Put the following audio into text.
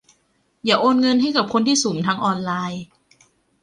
อย่าโอนเงินให้กับคนที่สุ่มทางออนไลน์